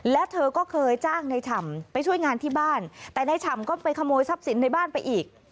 และเธอก็เคยจ้างในฉ่ำไปช่วยงานที่บ้านแต่ในฉ่ำก็ไปขโมยทรัพย์สินในบ้านไปอีก